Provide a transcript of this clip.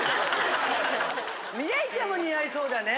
未来ちゃんも似合いそうだね。